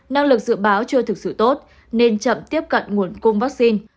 năng lực dự báo chưa thực sự tốt nên chậm tiếp cận nguồn cung vaccine